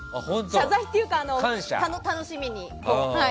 謝罪っていうか、楽しみに。